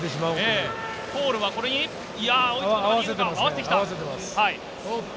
ポールはこれに合わせてきた。